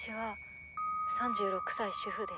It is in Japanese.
３６歳主婦です」